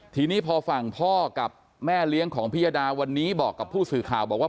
ทีนี้พอฝั่งพ่อกับแม่เลี้ยงของพิยดาวันนี้บอกกับผู้สื่อข่าวบอกว่า